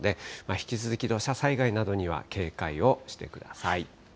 引き続き土砂災害などには警戒をしてください。